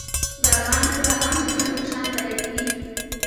د افغان سوله هم د جنګ په شان غیرتي وي.